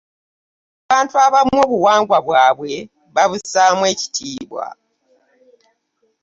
abantu abamu obuwangwa bwabwe babussaamu ekitiibwa.